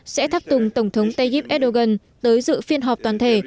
sẽ thắp tùng tổng thống tayyip erdogan tới dự phiên họp toàn thể